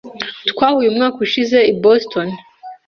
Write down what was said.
Twahuye umwaka ushize i Boston.